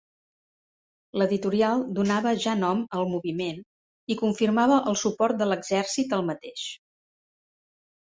L'editorial donava ja nom al moviment i confirmava el suport de l'exèrcit al mateix.